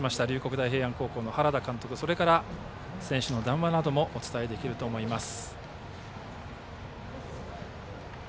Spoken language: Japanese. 大平安高校の原田監督、それから選手の談話などもお伝えできると思います。